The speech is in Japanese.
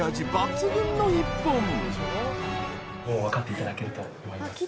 もう分かっていただけると思います。